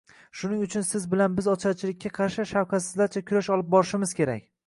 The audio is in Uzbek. Shuning uchun siz bilan biz ocharchilikka qarshi shafqatsizlarcha kurash olib borishimiz kerak.